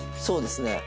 そうですね。